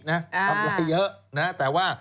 ทำอะไรเยอะแต่ว่า